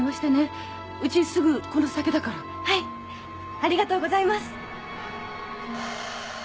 ありがとうございます。